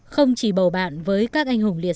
không chỉ bầu bạn với các anh hùng liệt sĩ